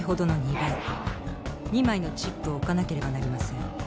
２枚のチップを置かなければなりません。